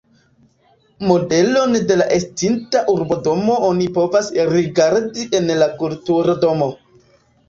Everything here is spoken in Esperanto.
Modelon de la estinta urbodomo oni povas rigardi en la kulturdomo.